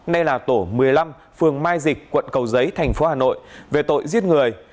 nơi là tổ một mươi năm phường mai dịch quận cầu giấy tp hà nội về tội giết người